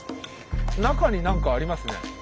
中に何かありますね。